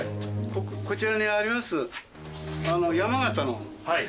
こちらにあります。